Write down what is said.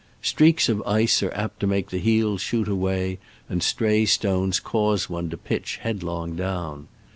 Streaks of ice are apt to make the heels shoot away, and stray stone^ cause one to pitch headlong down.